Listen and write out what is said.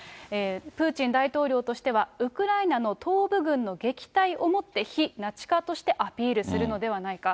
プーチン大統領としてはウクライナの東部軍の撃退をもって、非ナチ化としてアピールするのではないか。